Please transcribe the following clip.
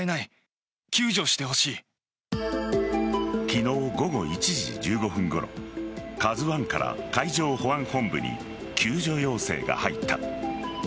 昨日午後１時１５分ごろ「ＫＡＺＵ１」から海上保安本部に救助要請が入った。